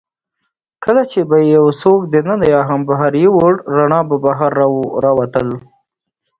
کله چي به يې یوڅوک دننه یا هم بهر یووړ، رڼا به بهر راوتل.